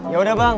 ya udah bang